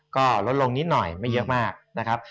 ก็ลดลงนิดหน่อยไม่เยอะมากนะครับ